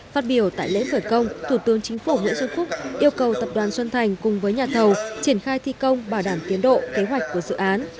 phát biểu tại lễ khởi công thủ tướng chính phủ nguyễn xuân phúc yêu cầu tập đoàn xuân thành cùng với nhà thầu triển khai thi công bảo đảm tiến độ kế hoạch của dự án